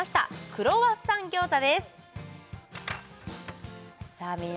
クロワッサン餃子？